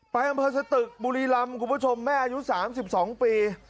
อำเภอสตึกบุรีรำคุณผู้ชมแม่อายุ๓๒ปี